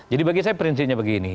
jadi bagi saya prinsipnya begitu